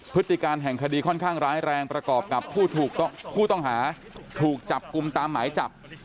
พฤติการแห่งคดีค่อนข้างร้ายแรงประกอบกับผู้ต้องหาถูกจับกลุ่มตามหมายจับ